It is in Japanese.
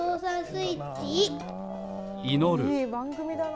いい番組だな。